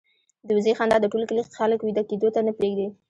د وزې خندا د ټول کلي خلک وېده کېدو ته نه پرېږدي.